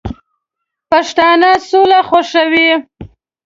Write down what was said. پښتانه سوله خوښوي